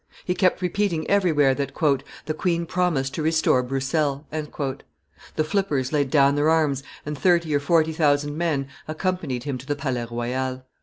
He kept repeating everywhere that "the queen promised to restore Broussel." The fiippers laid down their arms, and thirty or forty thousand men accompanied him to the Palais Royal.